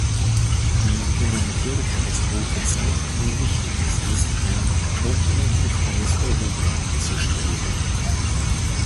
Die humanitäre Katastrophe zeigt, wie wichtig es ist, ein atomenergiefreies Europa anzustreben.